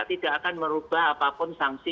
tidak akan merubah apapun sanksi